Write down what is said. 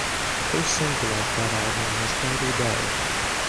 The first single off that album was "Brighter Day".